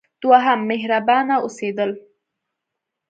دوهم: مهربانه اوسیدل.